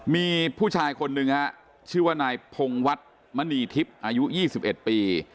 มีผู้ชายคนหนึ่งฮะชื่อว่านายพงวัฒน์มณีทิพย์อายุ๒๑ปี